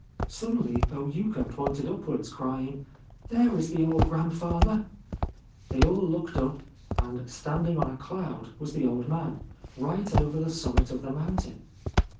Suddenly Oi Yuka pointed upwards, crying, c There is the old grandfather !' They all looked up ; and standing on a cloud was the old man, right over the summit of the mountain.